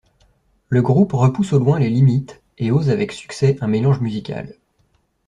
Le groupe repousse au loin les limites et ose avec succès un mélange musical.